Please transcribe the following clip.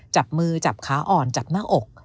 จับมือจับขาอ่อนจับหน้าอก